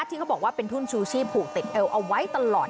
ที่เขาบอกว่าเป็นทุ่นชูชีพผูกติดเอวเอาไว้ตลอด